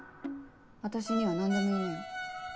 私には何でも言いなよ。